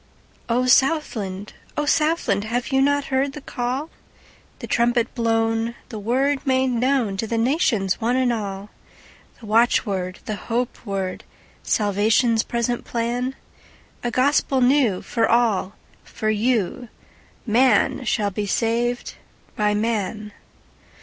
O SOUTHLAND! O Southland! Have you not heard the call, The trumpet blown, the word made knownTo the nations, one and all? The watchword, the hope word, Salvation's present plan?A gospel new, for all—for you:Man shall be saved by man.